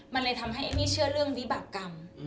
มันเลยทำให้เอมมี่เชื่อเรื่องวิบากรรม